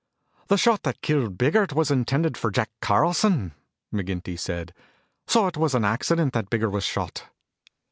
"The shot that killed Biggert was intended for Jack Carlson," McGinty said. "So it was an accident that Biggert was shot."